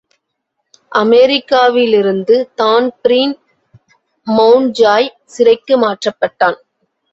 லிமெரிக்கிலிருந்து Dan Breen Mountjoy சிறைக்கு மாற்றப்பட்டான்.